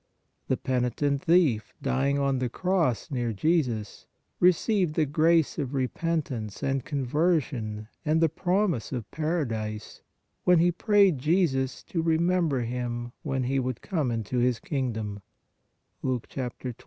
The penitent thief, dying on the cross near Jesus, received the grace of repentance and conversion and the promise of paradise, when he prayed Jesus to " remember him when He would come into His kingdom" (Luke 23.